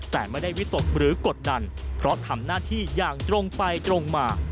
แต่ไม่ได้วิตกหรือกดดันเพราะทำหน้าที่อย่างตรงไปตรงมา